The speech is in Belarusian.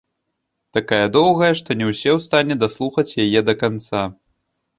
Такая доўгая, што не ўсе ў стане даслухаць яе да канца.